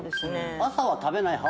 朝は食べない派？